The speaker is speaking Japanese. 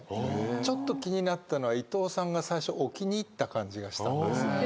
ちょっと気になったのは伊藤さんが最初置きにいった感じがしたんです。